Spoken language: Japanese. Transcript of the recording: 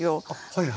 はい。